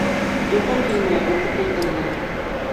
— Йоҡо килмәй, уҡып ултырҙым.